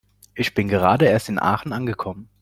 Ich bin gerade erst in Aachen angekommen